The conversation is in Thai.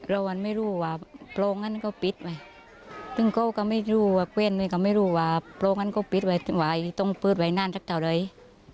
เราว่าไม่รู้ว่าโปรงนั้นก็ปิดไว้ตึงโก้ก็ไม่รู้ว่าเวียนก็ไม่รู้ว่าโปรงนั้นก็ปิดไว้ว่าต้องเปิดไว้นานสักเท่าไหร่